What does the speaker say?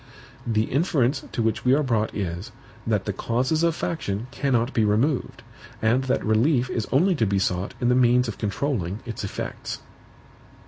The inference to which we are brought is, that the CAUSES of faction cannot be removed, and that relief is only to be sought in the means of controlling its EFFECTS.